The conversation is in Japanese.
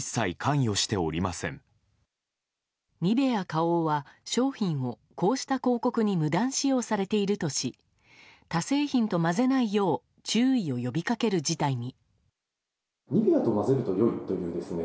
ニベア花王は商品をこうした広告に無断使用されているとし他製品と混ぜないよう注意を呼びかける事態に。